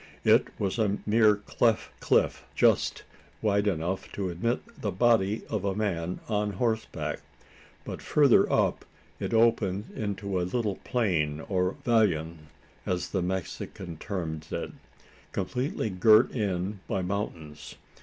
It was a mere cleft cliff just wide enough to admit the body of a man on horseback but further up, it opened into a little plain or vallon, as the Mexican termed it, completely girt in by mountains.